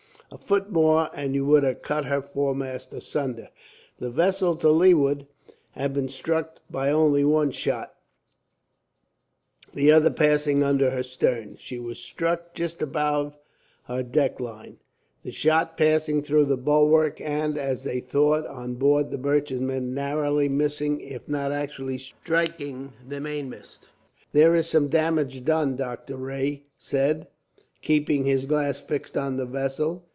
"A foot more, and you would have cut his foremast asunder." The vessel to leeward had been struck by only one shot, the other passing under her stern. She was struck just above her deck line, the shot passing through the bulwark, and, as they thought on board the merchantman, narrowly missing if not actually striking the mainmast. "There is some damage done," Dr. Rae said, keeping his glass fixed on the vessel.